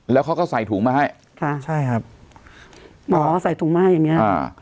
แล้วเขาก็ใส่ถุงมาให้ค่ะใช่ครับหมอใส่ถุงมาอย่างเงี้อ่า